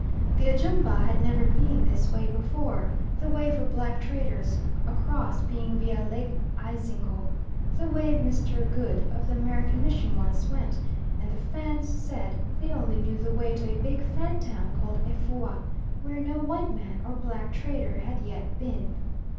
The Ajumba had never been this way before the way for black traders across being via Lake Ayzingo, the way Mr. Goode of the American Mission once went, and the Fans said they only knew the way to a big Fan town called Efoua, where no white man or black trader had yet been.